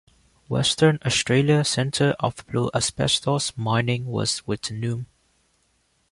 Western Australia' center of blue asbestos mining was Wittenoom.